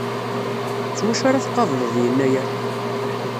S wacu ara tqableḍ Yennayer?